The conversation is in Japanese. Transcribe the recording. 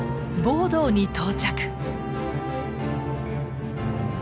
ボードーに到着。